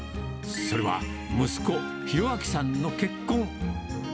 それは息子、宏明さんの結婚。